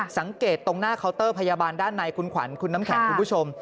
สังเกตตรงหน้าเคาน์เตอร์พยาบาลด้านในคุณขวัญคุณน้ำแข็งคุณผู้ชม